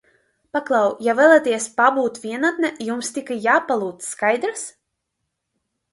Paklau, ja vēlaties pabūt vienatnē, jums tikai jāpalūdz, skaidrs?